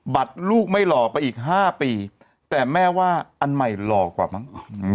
ลูกไม่หล่อไปอีก๕ปีแต่แม่ว่าอันใหม่หล่อกว่ามั้ง